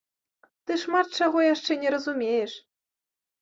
Ты шмат чаго яшчэ не разумееш!